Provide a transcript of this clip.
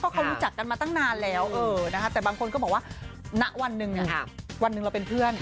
เขารู้จักกันมาตั้งนานแล้วแต่บางคนก็บอกว่าณวันหนึ่งวันหนึ่งเราเป็นเพื่อน